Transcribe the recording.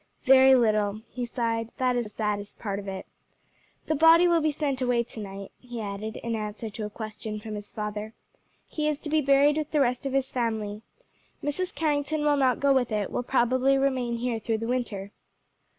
"Very little," he sighed, "that is the saddest part of it. The body will be sent away to night," he added, in answer to a question from his father; "he is to be buried with the rest of his family. Mrs. Carrington will not go with it, will probably remain here through the winter."